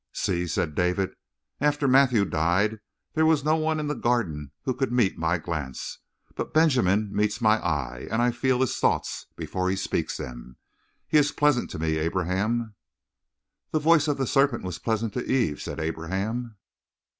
"See," said David. "After Matthew died there was no one in the Garden who could meet my glance. But Benjamin meets my eye and I feel his thoughts before he speaks them. He is pleasant to me, Abraham." "The voice of the serpent was pleasant to Eve," said Abraham.